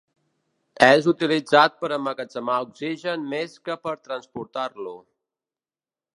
És utilitzat per emmagatzemar oxigen més que per transportar-lo.